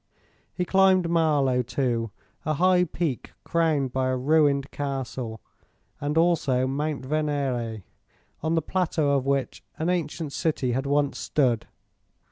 He climbed Malo, too, a high peak crowned by a ruined castle; and also Mt. Venere, on the plateau of which an ancient city had once stood.